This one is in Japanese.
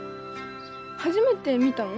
初めて見たの？